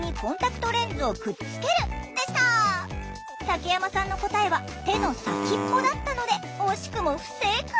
竹山さんの答えは「手の先っぽ」だったので惜しくも不正解。